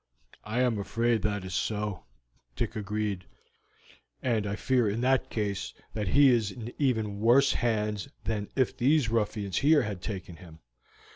"I am afraid that is so," Dick agreed; "and I fear in that case that he is in even worse hands than if these ruffians here had taken him."